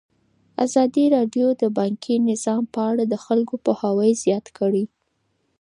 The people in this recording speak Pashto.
ازادي راډیو د بانکي نظام په اړه د خلکو پوهاوی زیات کړی.